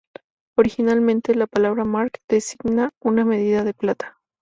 Originalmente, la palabra mark designaba una medida de plata.